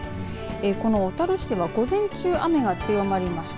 この小樽市では午前中、雨が強まりました。